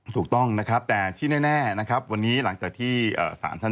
ถูกต้องนะครับแต่ที่แน่นะครับวันนี้หลังจากที่สารท่าน